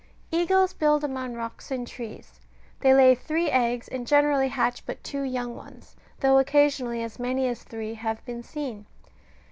Eagles build among rocks and trees ; they lay three eggs, and generally hatch but two young ones, though occasionally as many as three have been seen.